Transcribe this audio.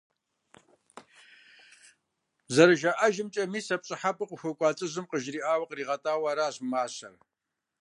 Зэрыжаӏэжымкӏэ, мис а пщӏыхьэпӏэу къыхуэкӏуэ лӏыжьым къыжриӏэурэ къригъэтӏауэ аращ мащэр.